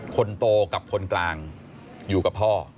คนโตกับคนกลางอยู่กับพ่อ